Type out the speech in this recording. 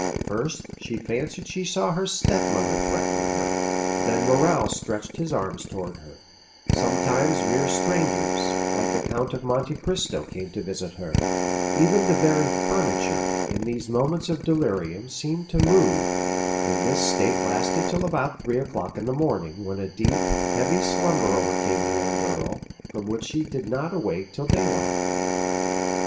First she fancied she saw her stepmother threatening her, then Morrel stretched his arms towards her; sometimes mere strangers, like the Count of Monte Cristo came to visit her; even the very furniture, in these moments of delirium, seemed to move, and this state lasted till about three o'clock in the morning, when a deep, heavy slumber overcame the young girl, from which she did not awake till daylight.